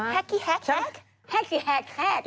ฮักกี้แฮกแฮกแฮกกี้แฮกแฮกแฮกแฮกแฮก